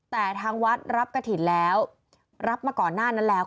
แต่ทางวัดรับกระถิ่นแล้วรับมาก่อนหน้านั้นแล้ว